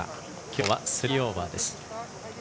きょうは３オーバーです。